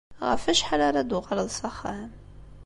Ɣef wacḥal ara d-tuɣaleḍ s axxam?